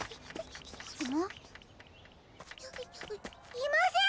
いません！